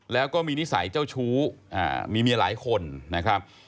แล้วก็มีนิสัยเจ้าชู้มีเมียหลายคนนะครับ